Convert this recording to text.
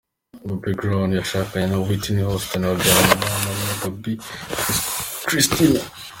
Bobby Brown yashakanye na Whitney Houston babyarana umwana umwe Bobbi Kristina.